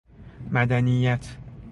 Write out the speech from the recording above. مدنیت